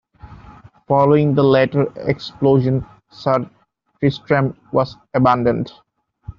Following the later explosion, "Sir Tristram" was abandoned.